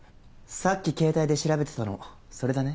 さっき携帯で調べてたのそれだね。